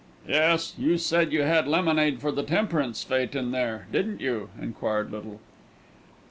"Yes; you said you had lemonade for the Temperance Fête in there, didn't you?" enquired Little.